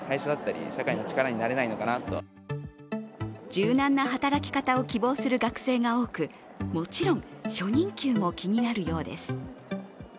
柔軟な働き方を希望する学生が多く、もちろん、初任給も気になるようです。